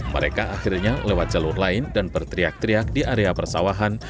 mereka akhirnya lewat jalur lain dan berteriak teriak di area persawahan